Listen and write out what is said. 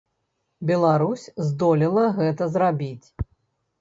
Беларусь здолела гэта зрабіць.